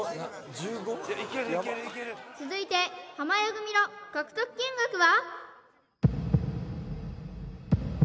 １５？続いて濱家組の獲得金額は？